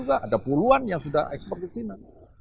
ada puluhan yang sudah ekspor ke china